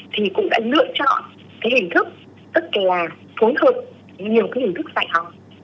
thì cũng đã lựa chọn cái hình thức tất cả phối hợp nhiều cái hình thức dạy học